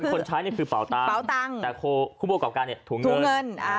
คนใช้นี่คือเป่าตังค์แต่ผู้ประกอบการเนี่ยถุงเงิน